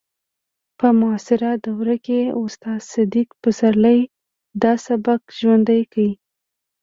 په معاصره دوره کې استاد صدیق پسرلي دا سبک ژوندی کړ